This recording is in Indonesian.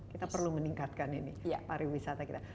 kita perlu meningkatkan ini pariwisata kita